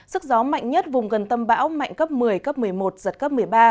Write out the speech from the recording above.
sức gió mạnh nhất vùng gần tâm bão mạnh cấp một mươi cấp một mươi một giật cấp một mươi ba